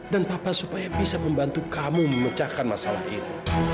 dan papa supaya bisa membantu kamu memecahkan masalah ini